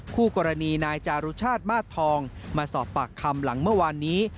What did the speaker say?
คู่กรณีนายจารุชาติมาสทองมาสอบปากคำหลังเมื่อวานนี้